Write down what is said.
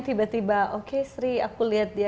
tiba tiba okay sri aku liat dia